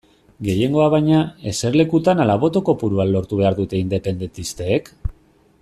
Gehiengoa baina, eserlekutan ala boto kopuruan lortu behar dute independentistek?